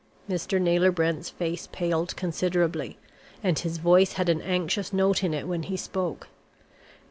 Mr. Naylor Brent's face paled considerably, and his voice had an anxious note in it when he spoke.